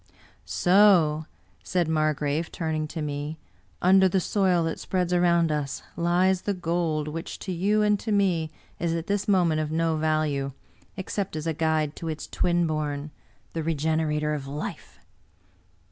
IV "So/' said Margrave, turning to me, "under the soil that spreads around us lies the gold which to you and to me is at this moment of no value, except as a guide to its twin bom — the regenerator of life!"